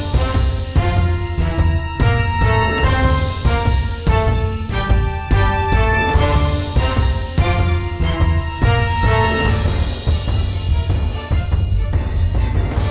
โปรดติดตามตอนต่อไป